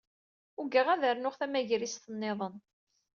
Ugaɣ ad rnuɣ tamagrist niḍen.